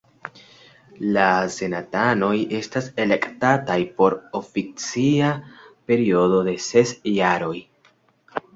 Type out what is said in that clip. La senatanoj estas elektataj por ofica periodo de ses jaroj.